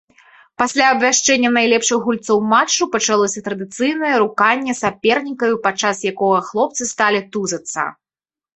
Пасля абвяшчэння найлепшых гульцоў матчу пачалося традыцыйнае руканне сапернікаў, падчас якога хлопцы сталі тузацца.